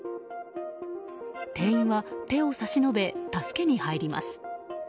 店員は手を差し伸べ助けに入ります。